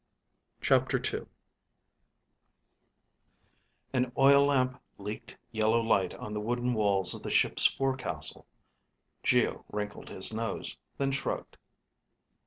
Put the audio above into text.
CHAPTER II An oil lamp leaked yellow light on the wooden walls of the ship's forecastle. Geo wrinkled his nose, then shrugged.